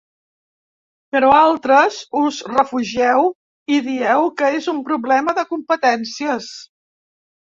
Però altres us refugieu i dieu que és un problema de competències.